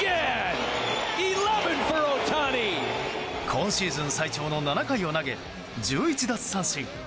今シーズン最長の７回を投げ１１奪三振。